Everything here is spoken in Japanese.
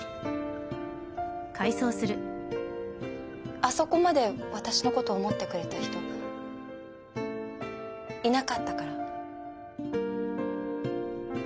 あそこまで私のこと思ってくれた人いなかったから。